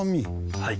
はい。